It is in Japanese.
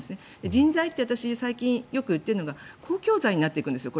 人材って最近よく言ってるのが公共財になってくるんですよ。